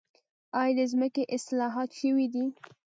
آیا د ځمکې اصلاحات شوي دي؟